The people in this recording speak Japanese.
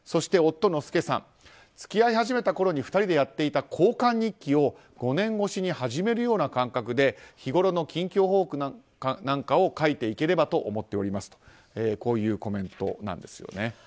夫Ｎｏｓｕｋｅさんは付き合い始めたころに２人でやっていた交換日記を５年越しに始めるような感覚で日ごろの近況報告なんかを書いていければと思っておりますとこういうコメントなんですね。